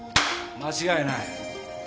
間違いない！